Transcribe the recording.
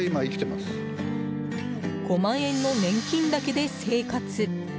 ５万円の年金だけで生活。